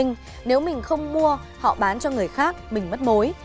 nếu mình không mua họ bán cho người khác mình mất mối